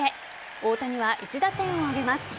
大谷は１打点を挙げます。